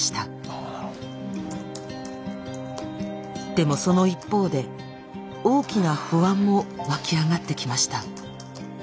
でもその一方で大きな不安も湧き上がってきました。